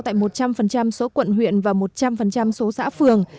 tại một trăm linh số quận huyện và một trăm linh số xã phường